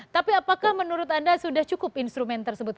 tapi apakah menurut anda sudah cukup instrumen tersebut